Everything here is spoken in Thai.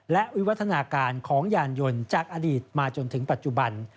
และวิวัฒนาการของยานยนต์จากอดีตมาจนถึงปัจจุบัน